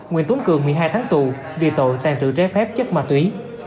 nguyễn tốn cường một mươi hai tháng tù vì tội tàn trự ré phép chất ma túy